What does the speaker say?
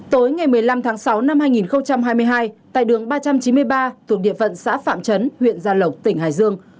tối ngày một mươi năm tháng sáu năm hai nghìn hai mươi hai tại đường ba trăm chín mươi ba thuộc địa phận xã phạm trấn huyện gia lộc tỉnh hải dương